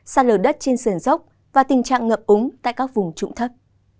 xa lở đất trên sườn dốc và tình trạng ngập ống tại các vùng trụng thấp